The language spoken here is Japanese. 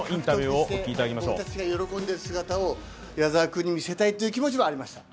俺たちが喜んでる姿を矢澤君に見せたい気持ちはありました。